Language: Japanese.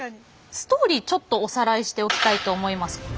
ストーリーちょっとおさらいしておきたいと思います。